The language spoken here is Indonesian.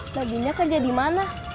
lagi lagi kerja di mana